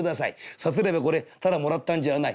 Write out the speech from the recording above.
さすればこれただもらったんじゃない。